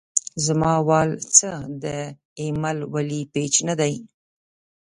زما وال څۀ د اېمل ولي پېج نۀ دے